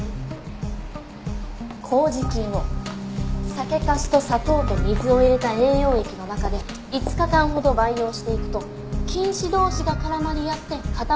麹菌を酒粕と砂糖と水を入れた栄養液の中で５日間ほど培養していくと菌糸同士が絡まり合って塊ができます。